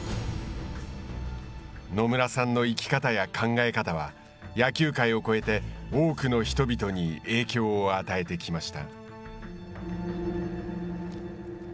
野村さんの生き方や考え方は野球界を超えて多くの人々に影響を与えてきました。